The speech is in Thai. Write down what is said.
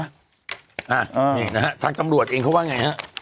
นี่นะฮะทางตำรวจเองเขาว่าไงฮะ